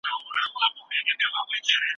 شریف خپل ماشوم ته د ښه اخلاقو درس ورکوي.